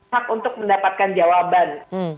hak untuk mendapatkan jawaban